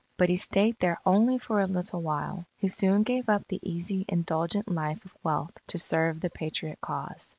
But he stayed there only for a little while. He soon gave up the easy indulgent life of wealth to serve the Patriot cause.